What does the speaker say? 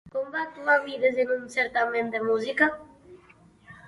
Com va actuar Mides en un certamen de música?